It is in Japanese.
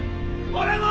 俺も！